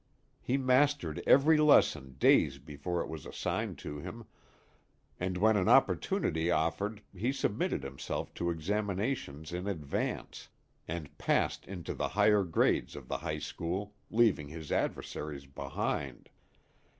He mastered every lesson days before it was assigned to him, and when an opportunity offered he submitted himself to examinations in advance, and passed into the higher grades of the high school, leaving his adversaries behind.